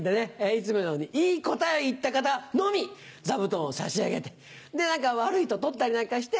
いつものようにいい答えを言った方のみ座布団を差し上げて悪いと取ったりなんかして。